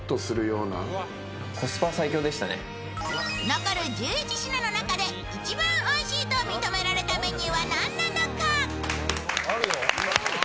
残る１１品の中で一番おいしいと認められたメニューはなんなのか。